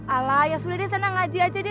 ala ya sudah deh senang ngaji aja deh